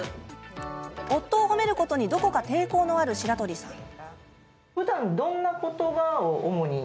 夫を褒めることにどこか抵抗のある白鳥さん。